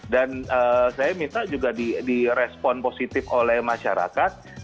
dan saya minta juga di respon positif oleh masyarakat